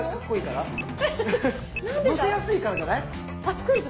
のせやすいからじゃない？